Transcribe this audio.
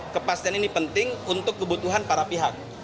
kepastian ini penting untuk kebutuhan para pihak